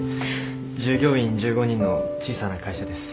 従業員１５人の小さな会社です。